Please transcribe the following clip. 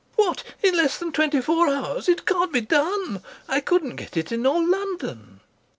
"What? In less than twenty four hours? It can't be done. I couldn't get it in all London."